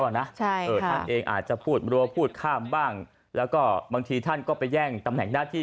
ท่านเองอาจจะพูดรัวพูดข้ามบ้างแล้วก็บางทีท่านก็ไปแย่งตำแหน่งหน้าที่